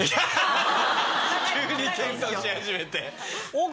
急に謙遜し始めて。